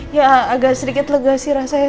ya agak sedikit lega sih rasanya